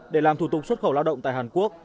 để làm thủ tục xuất khẩu lao động tại hàn quốc